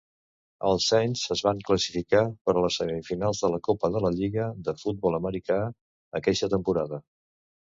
Els Saints es van classificar per a les semifinals de la Copa de la lliga de futbol americà aqueixa temporada.